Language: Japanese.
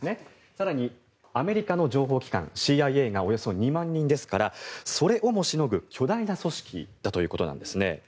更に、アメリカの情報機関ＣＩＡがおよそ２万人ですからそれをもしのぐ、巨大な組織だということなんですね。